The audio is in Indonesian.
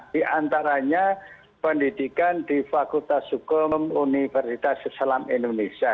di antaranya pendidikan di fakultas sukum universitas selam indonesia